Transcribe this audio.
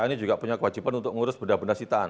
ini juga punya kewajiban untuk mengurus benda benda sitaan